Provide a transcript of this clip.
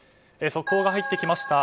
速報が入ってきました。